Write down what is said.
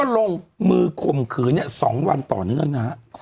ลงมือคมคืน๒วันต่อเนื้อน